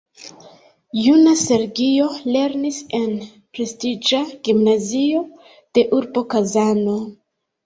Juna Sergio lernis en prestiĝa gimnazio de urbo Kazano.